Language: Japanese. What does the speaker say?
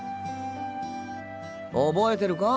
覚えてるか？